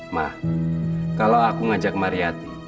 ma kalau aku ngajak mariati